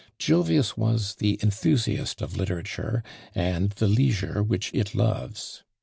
Jovius was the enthusiast of literature, and the leisure which it loves.